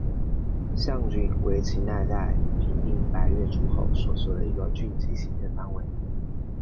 象郡为秦代在平定百越族后所设的一个郡级行政单位。